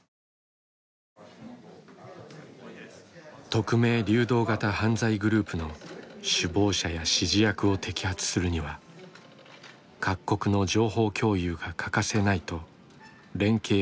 匿名・流動型犯罪グループの首謀者や指示役を摘発するには各国の情報共有が欠かせないと連携を呼びかけた。